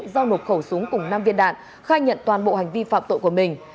giao nộp khẩu súng cùng năm viên đạn khai nhận toàn bộ hành vi phạm tội của mình